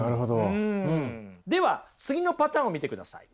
では次のパターンを見てください。